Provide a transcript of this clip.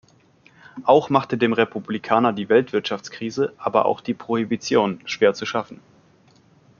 Auch machte dem Republikaner die Weltwirtschaftskrise, aber auch die Prohibition schwer zu schaffen.